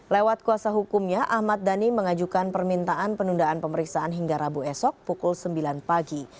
lewat kuasa hukumnya ahmad dhani mengajukan permintaan penundaan pemeriksaan hingga rabu esok pukul sembilan pagi